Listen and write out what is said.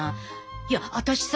いや私さ